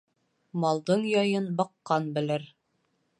Малдың яйын баҡҡан белер